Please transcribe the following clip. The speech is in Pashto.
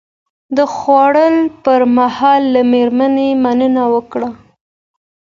د خوراک پر مهال له میرمنې مننه وکړه.